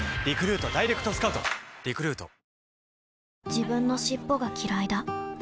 自分の尻尾がきらいだ